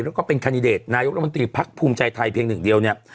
แล้วก็เป็นคันดิเดตนายกรมนตรีพักภูมิใจไทยเพียงหนึ่งเดียวเนี่ย